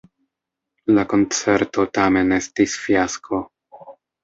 La koncerto tamen estis fiasko.